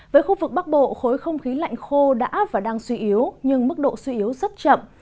với khu vực bắc bộ khối không khí lạnh khô đã và đang suy yếu nhưng mức độ suy yếu rất chậm